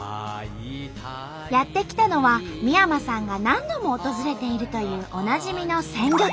やって来たのは三山さんが何度も訪れているというおなじみの鮮魚店。